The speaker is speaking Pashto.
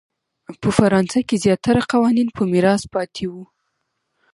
په فرانسه کې زیاتره قوانین په میراث پاتې وو.